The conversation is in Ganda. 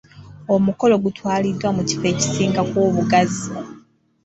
Omukolo gutwaliddwa mu kifo ekisingako obugazi.